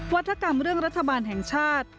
วัฒกรรมเรื่องรัฐบาลแห่งชาติ